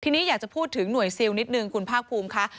ทีนี้อยากจะพูดถึงหน่วยซิลนิดนึงคุณภาคภูมิค่ะ